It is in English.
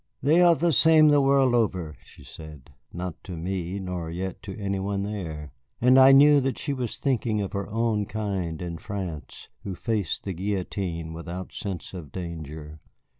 "They are the same the world over," she said, not to me, nor yet to any one there. And I knew that she was thinking of her own kind in France, who faced the guillotine without sense of danger.